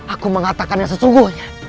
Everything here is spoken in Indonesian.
aku mengatakan yang sesungguhnya